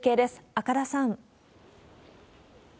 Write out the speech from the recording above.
赤田さん。